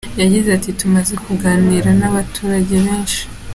Yagize ati “Tumaze kuganira n’abaturage benshi.